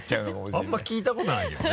あんま聞いたことないけどね。